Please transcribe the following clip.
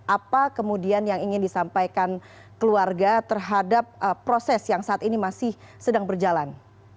apa kemudian yang ingin disampaikan keluarga terhadap proses yang saat ini masih sedang berjalan